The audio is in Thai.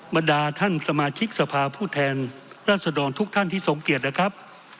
มาด่าท่านสมาชิกสภาพูดแทนราชดองทุกท่านที่สงเกียจนะครับ